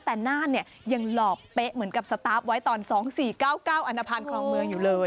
แต่น่านเนี่ยยังหลอกเป๊ะเหมือนกับสตาร์ฟไว้ตอน๒๔๙๙อันนภัณฑ์คลองเมืองอยู่เลย